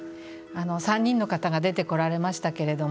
３人の方が出てこられましたけど